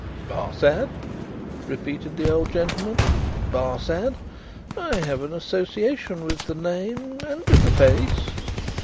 "Barsad?" repeated the old gentleman, "Barsad? I have an association with the name and with the face."